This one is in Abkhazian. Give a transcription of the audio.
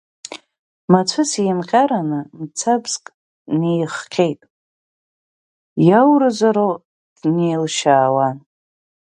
Мацәысеимҟьараны мцабзк неихҟьеит иауразароу днеилшьаауа.